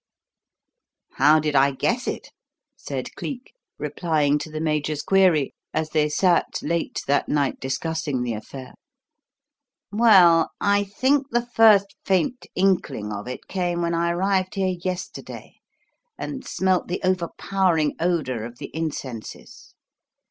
"How did I guess it?" said Cleek, replying to the Major's query, as they sat late that night discussing the affair. "Well, I think the first faint inkling of it came when I arrived here yesterday, and smelt the overpowering odour of the incenses.